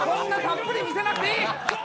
こんなたっぷり見せなくていい！